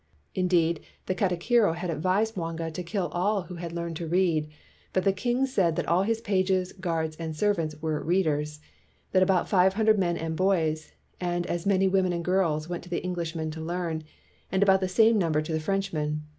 Indeed, the katikiro had advised Mwanga to kill all who had learned to read ; but the king said that all his pages, guards, and servants were "readers," that about five hundred men and boys and as many women and girls went to the English men to learn, and about the same number to the Frenchmen.